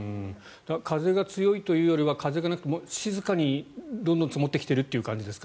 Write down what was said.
風が強いというよりは風がなくて静かにどんどん積もってきているという感じですか？